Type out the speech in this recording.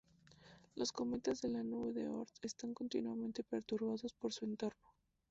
Los cometas de la nube de Oort están continuamente perturbados por su entorno.